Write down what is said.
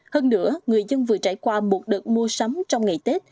hơn nữa người dân vừa trải qua một đợt mua sắm trong ngày tết